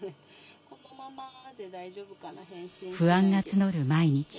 不安が募る毎日。